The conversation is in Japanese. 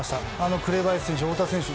紅林選手、太田選手